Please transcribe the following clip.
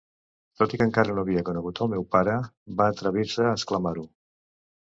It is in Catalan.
Tot i que encara no havia conegut el meu pare, va atrevir-se a exclamar-ho!